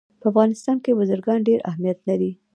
په افغانستان کې بزګان ډېر اهمیت لري.